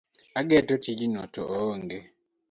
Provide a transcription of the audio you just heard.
Ageto tijno to oonge.